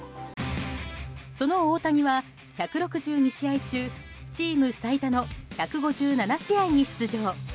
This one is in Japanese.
その大谷は１６２試合中チーム最多の１５７試合に出場。